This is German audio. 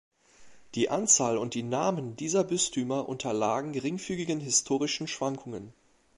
Die Anzahl und die Namen dieser Bistümer unterlagen geringfügigen historischen Schwankungen.